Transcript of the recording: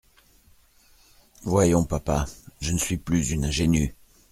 Voyons, papa ; je ne suis plus une ingénue.